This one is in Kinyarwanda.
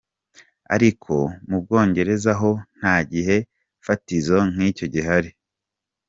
Ariko mu Bwongereza ho nta gihe fatizo nk'icyo gihari.